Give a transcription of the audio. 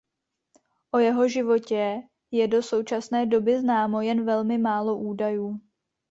O jeho životě je do současné doby známo jen velmi málo údajů.